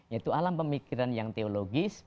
yaitu alam pemikiran yang teologis